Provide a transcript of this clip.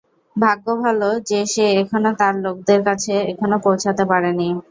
ভাগ্য ভালো যে সে এখনও তার লোকদের কাছে এখনও পৌছাতে পারে নি।